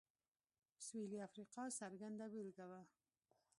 سوېلي افریقا څرګنده بېلګه وه.